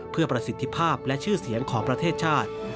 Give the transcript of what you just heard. เพื่อประสิทธิภาพและชื่อเสียงของประเทศชาติ